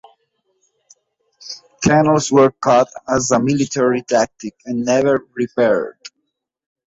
Canals were cut as a military tactic and never repaired.